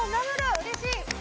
うれしい！